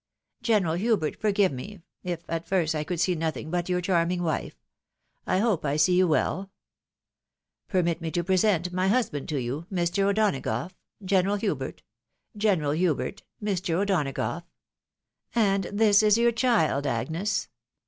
General Hubert, forgive me, if at first I could see nothing but your charming wife ! I hope I see you well ; permit me to present my husband to you — Mr. O'Dona gough, General Hubert — General Hubert, Mr. O'Donagough — and this is your child, Agnes